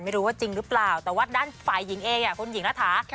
ไม่รู้ว่าจริงหรือเปล่าแต่ว่าด้านฝ่ายหญิงเองคุณหญิงรัฐา